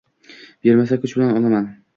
Bermasa, kuch bilan olaman…